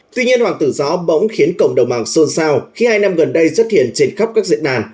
tuy nhiên hoàng tử gió bỗng khiến cộng đồng mạng xôn xao khi hai năm gần đây xuất hiện trên khắp các diện đàn